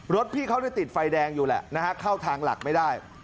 พี่เขาติดไฟแดงอยู่แหละนะฮะเข้าทางหลักไม่ได้